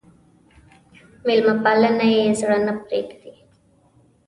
مېلمه پالنه يې زړه نه پرېږدي.